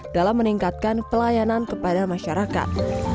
dalam meningkatkan pelayanan kepada masyarakat